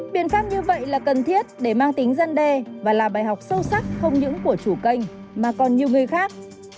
biện pháp như vậy là cần thiết để mang tính dân đe và là bài học sâu sắc không những của chủ kênh mà còn nhiều người khác